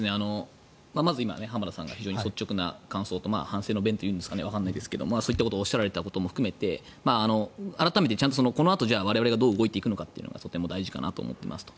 まず今、浜田さんが率直な感想と反省の弁というんですかねわからないんですがそういったことをおっしゃられたことも含めて改めてちゃんとこのあと我々がどう動いていくのかが大事だと思っていますと。